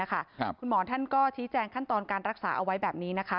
คุณหมอท่านก็ชี้แจงขั้นตอนการรักษาเอาไว้แบบนี้นะคะ